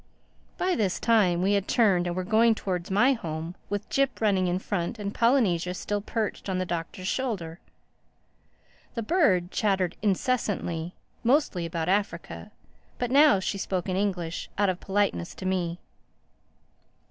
By this time we had turned and were going towards my home with Jip running in front and Polynesia still perched on the Doctor's shoulder. The bird chattered incessantly, mostly about Africa; but now she spoke in English, out of politeness to me.